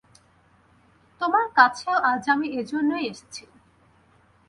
তোমার কাছেও আজ আমি এইজন্যেই এসেছি।